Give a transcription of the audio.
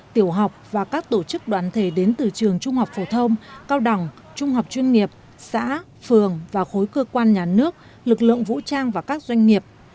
tiểu học và các tổ chức đoàn thể đến từ trường trung học phổ thông cao đẳng trung học chuyên nghiệp xã phường và khối cơ quan nhà nước lực lượng vũ trang và các doanh nghiệp